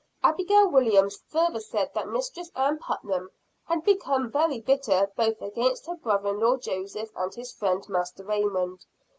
Abigail Williams further said that Mistress Ann Putnam had become very bitter both against her brother in law Joseph and his friend Master Raymond.